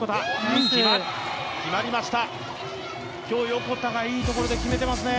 今日、横田がいいところで決めていますね。